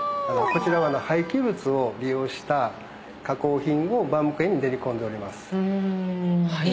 こちら廃棄物を利用した加工品をバウムクーヘンに練り込んでおります。